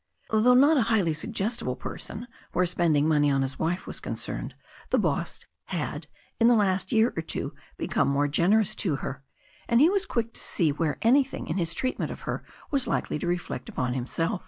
Though not a highly suggestible person where spending money on his wife was concerned, the boss had in the last 2^2 THE STORY OF A NEW ZEALAND RIVER 283 year or two become more generous to her, and he was quick to see where anything in his treatment of her was likely to reflect upon himself.